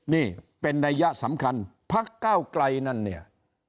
นี่เป็นนัยยะสำคัญพักเก้าไกลนั่นเนี่ย